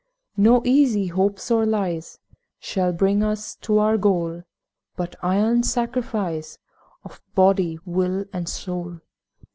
No easy hope or lies Shall bring us to our goal, But iron sacrifice Of body, will, and soul.